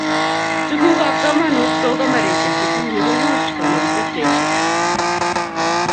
Tukuk ab kamanut kou kameraishek chekiunye komuchi konam pikchaishek